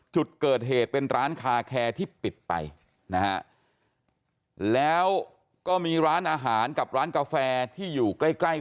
จุดเกิดเหตุเป็นร้านคาแคร์ที่ปิดไปนะฮะแล้วก็มีร้านอาหารกับร้านกาแฟที่อยู่ใกล้ใกล้